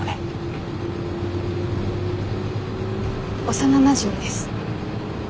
幼なじみです。